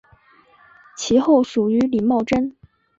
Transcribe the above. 其后属于李茂贞。